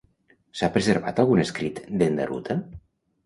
S'ha preservat algun escrit d'Endaruta?